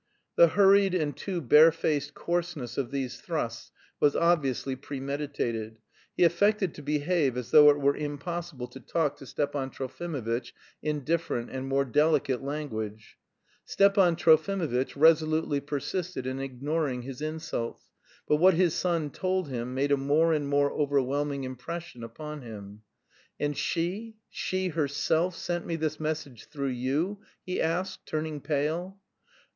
The hurried and too barefaced coarseness of these thrusts was obviously premeditated. He affected to behave as though it were impossible to talk to Stepan Trofimovitch in different and more delicate language. Stepan Trofimovitch resolutely persisted in ignoring his insults, but what his son told him made a more and more overwhelming impression upon him. "And she, she herself sent me this message through you?" he asked, turning pale.